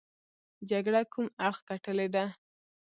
جګړه کوم اړخ ګټلې ده.